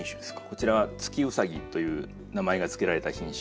こちらは「月うさぎ」という名前が付けられた品種。